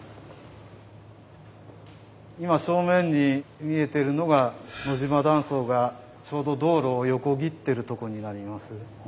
今正面に見えてるのが野島断層がちょうど道路を横切ってるとこになります。